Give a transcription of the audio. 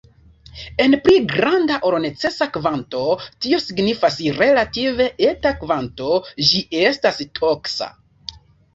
En pli granda ol necesa kvanto, tio signifas relative eta kvanto, ĝi estas toksa.